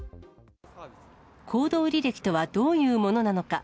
行動履歴とはどういうものなのか。